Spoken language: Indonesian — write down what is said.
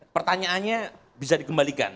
pertanyaannya bisa dikembalikan